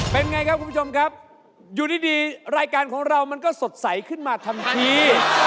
เป็นไงครับคุณผู้ชมครับอยู่ดีรายการของเรามันก็สดใสขึ้นมาทันที